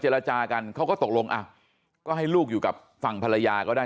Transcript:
จากันเขาก็ตกลงอ่ะก็ให้ลูกอยู่กับฝั่งภรรยาก็ได้